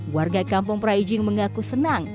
warga kampung praijing mengaku senang